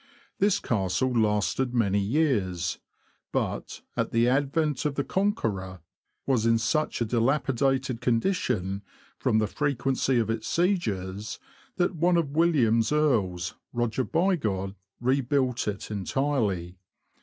This Castle lasted many years, but, at the advent of the Conqueror, was in such a dilapidated condition, from the frequency of its sieges, that one of William's earls, Roger Bigod, rebuilt it entirely.